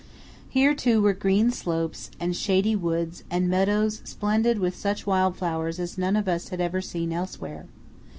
Here, too, were green slopes, and shady woods, and meadows splendid with such wild flowers as none of us had ever seen elsewhere.